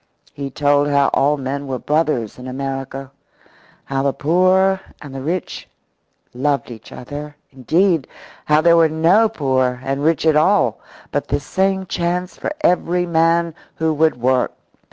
He told how all men were brothers in America, how the poor and the rich loved each other indeed, how there were no poor and rich at all, but the same chance for every man who would work.